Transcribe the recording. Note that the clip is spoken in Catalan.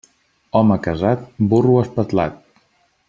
Home casat, burro espatlat.